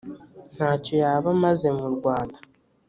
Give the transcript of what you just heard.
ntacyo yaba amaze mu rwanda.